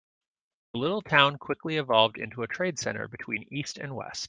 The little town quickly evolved into a trade center between east and west.